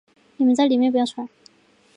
你们在里面不要出来